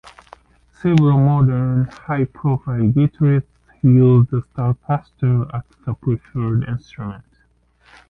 Several modern high-profile guitarists use the Starcaster as a preferred instrument.